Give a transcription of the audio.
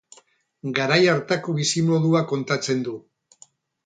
Garai hartako bizimodua kontatzen du.